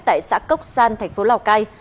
tại xã cốc san tp lào cai